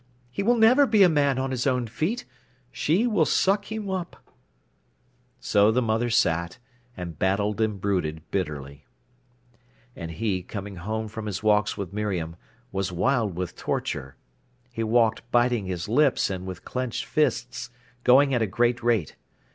He will never be a man on his own feet—she will suck him up." So the mother sat, and battled and brooded bitterly. And he, coming home from his walks with Miriam, was wild with torture. He walked biting his lips and with clenched fists, going at a great rate.